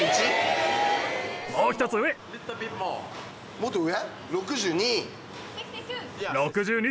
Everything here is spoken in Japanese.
もっと上？